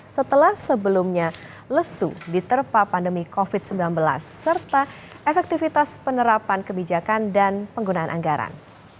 setelah sebelumnya lesu diterpa pandemi covid sembilan belas serta efektivitas penerapan kebijakan dan penggunaan anggaran